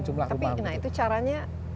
jumlah rumah tapi itu caranya